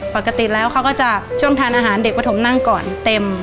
ปกติแล้วเขาก็จะช่วงทานอาหารเด็กประถมนั่งก่อนเต็ม